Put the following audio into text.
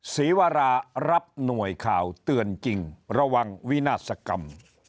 ศรีวรารับหน่วยข่าวเตือนจริงระวังวินาศกรรม